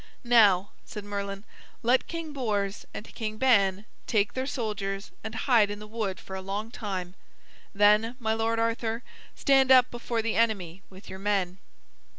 "Now," said Merlin, "let King Bors and King Ban take their soldiers and hide in the wood for a long time. Then, my lord Arthur, stand up before the enemy with your men."